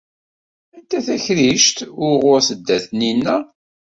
Anta takrict wuɣur tedda Taninna?